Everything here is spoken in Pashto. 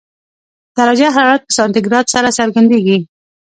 درجه حرارت په سانتي ګراد سره څرګندېږي.